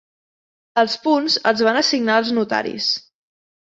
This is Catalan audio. Els punts els van assignar els notaris.